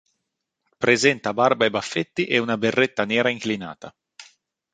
Presenta barba e baffetti e una berretta nera inclinata.